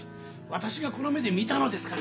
私がこの目で見たのですから！